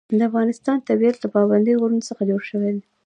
د افغانستان طبیعت له پابندی غرونه څخه جوړ شوی دی.